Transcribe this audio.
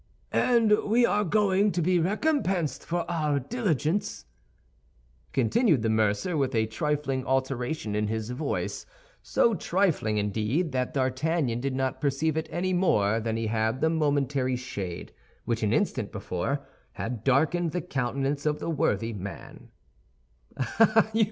"And we are going to be recompensed for our diligence?" continued the mercer, with a trifling alteration in his voice—so trifling, indeed, that D'Artagnan did not perceive it any more than he had the momentary shade which, an instant before, had darkened the countenance of the worthy man.